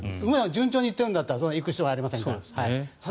順調にいっているんだったら行く必要はありませんから。